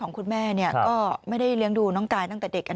ของคุณแม่เนี้ยก็ไม่ได้เลี้ยงดูน้องกายตั้งแต่เด็กอ่ะ